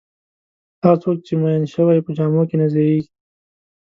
هغه څوک چې میین شوی په جامو کې نه ځایېږي.